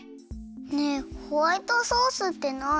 ねえホワイトソースってなに？